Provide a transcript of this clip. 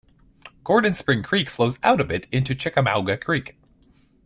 Gordon Spring Creek flows out of it into Chickamauga Creek.